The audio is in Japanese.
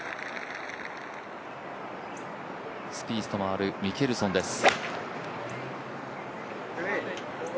スピースと回るミケルソンです。